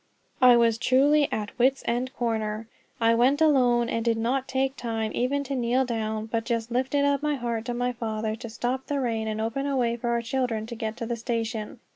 I was truly at "wit's end corner." I went alone, and did not take time even to kneel down, but just lifted up my heart to my Father to stop the rain and open a way for the children to get to the station.